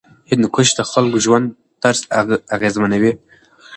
هندوکش د خلکو ژوند طرز اغېزمنوي.